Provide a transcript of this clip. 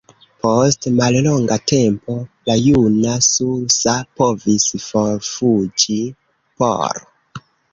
Post mallonga tempo, la juna Sousa provis forfuĝi por.